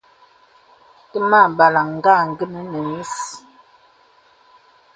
Təmà àbàlàŋ ngà àngənə́ nə mís.